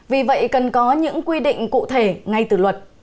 vì vậy cần có những quy định cụ thể ngay từ luật